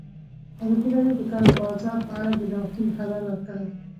ازادي راډیو د د کار بازار په اړه د نوښتونو خبر ورکړی.